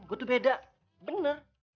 aku tidak sama benar